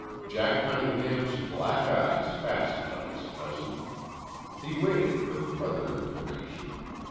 Jack Cunningham's black eyes fastened on his cousin. He waited for further information.